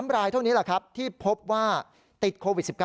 รายเท่านี้แหละครับที่พบว่าติดโควิด๑๙